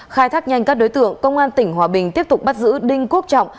khai thác nhanh các đối tượng công an tỉnh hòa bình tiếp tục bắt giữ đinh quốc trọng